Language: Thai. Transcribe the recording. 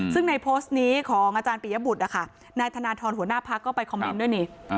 ซึ่งในโพสต์นี้ของอาจารย์ปียบุตรนะคะนายธนทรหัวหน้าพักก็ไปคอมเมนต์ด้วยนี่